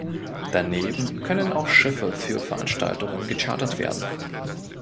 Daneben können auch Schiffe für Veranstaltungen gechartert werden.